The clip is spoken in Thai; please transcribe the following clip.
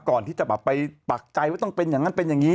ก่อนที่จะแบบไปปักใจว่าต้องเป็นอย่างนั้นเป็นอย่างนี้